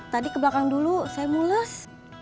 tadi ke belakang dulu saya mules